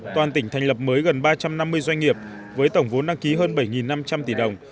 toàn tỉnh thành lập mới gần ba trăm năm mươi doanh nghiệp với tổng vốn đăng ký hơn bảy năm trăm linh tỷ đồng